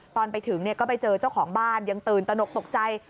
ตอนไปถึงก็ไปเจอเจ้าของบ้านยังตื่นตนกตกใจ